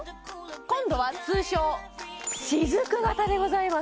今度は通称しずく型でございます